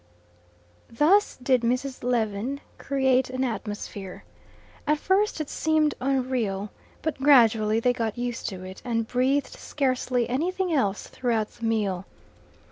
Thus did Mrs. Lewin create an atmosphere. At first it seemed unreal, but gradually they got used to it, and breathed scarcely anything else throughout the meal.